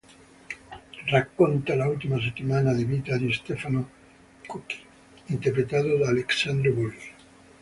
Racconta l'ultima settimana di vita di Stefano Cucchi, interpretato da Alessandro Borghi.